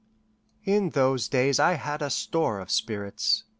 In those days I had a store of spirits.